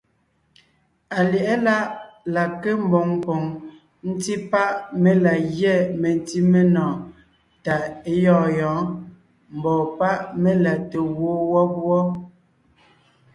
Alyɛ̌ʼɛ láʼ la nke mboŋ poŋ ńtí páʼ mé la gyɛ́ mentí menɔɔn tà é gyɔ̂ɔn yɔ̌ɔn, mbɔ̌ páʼ mé la te gwoon wɔ́b wɔ́.